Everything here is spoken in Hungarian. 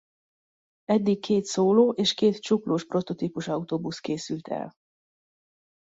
Eddig két szóló és két csuklós prototípus autóbusz készült el.